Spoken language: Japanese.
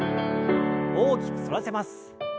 大きく反らせます。